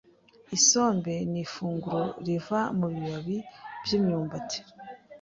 isombe ni ifunguro riva mu bibabi by’imyumbati,